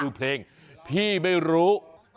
คือเพลงพี่ไม่รู้